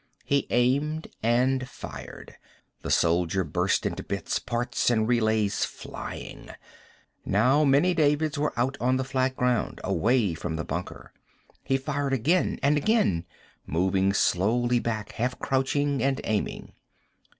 He aimed and fired. The soldier burst into bits, parts and relays flying. Now many Davids were out on the flat ground, away from the bunker. He fired again and again, moving slowly back, half crouching and aiming.